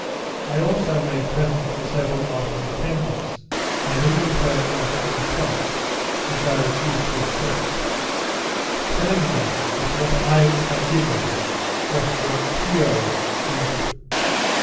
I also made presents to several of his attendants; and, in return, they offered me cloth, which I refused to accept; telling them that what I had given was for tiyo (friendship).